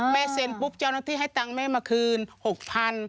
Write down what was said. แม่เซ็นปุ๊บเจ้าหน้าที่ให้ตังแม่มาคืนหกพัน